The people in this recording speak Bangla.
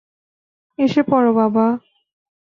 এসে পড়, বাবা।